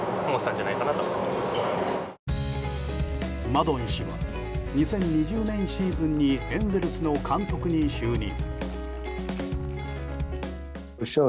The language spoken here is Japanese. マドン氏は２０２０年シーズンにエンゼルスの監督に就任。